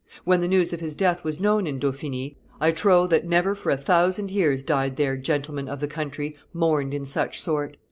When the news of his death was known in Dauphiny, I trow that never for a thousand years died there gentleman of the country mourned in such sort.